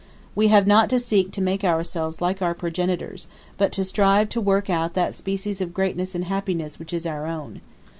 We have not to seek to make ourselves like our progenitors, but to strive to work out that species of greatness and happiness which is our own.